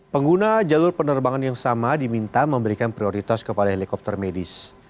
pengguna jalur penerbangan yang sama diminta memberikan prioritas kepada helikopter medis